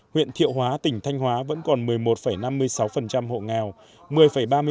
huyện thiệu hóa tỉnh thanh hóa vẫn còn một mươi một năm mươi sáu hộ nghèo